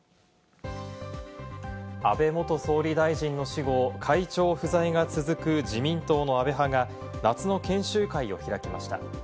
安倍元総理大臣の死後、会長不在が続く自民党の安倍派が夏の研修会を開きました。